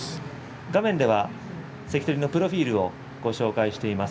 画面では関取のプロフィールをご紹介しています。